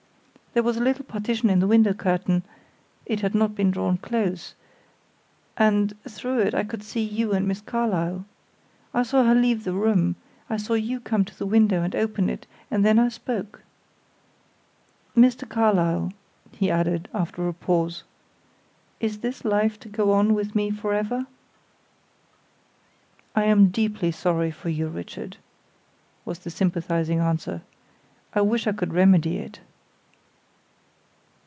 There was a little partition in the window curtain it had not been drawn close and through it I could see you and Miss Carlyle. I saw her leave the room; I saw you come to the window and open it, and then I spoke. Mr. Carlyle," he added, after a pause, "is this life to go on with me forever?" "I am deeply sorry for you, Richard," was the sympathizing answer. "I wish I could remedy it."